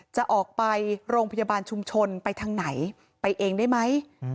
จะออกไปโรงพยาบาลชุมชนไปทางไหนไปเองได้ไหม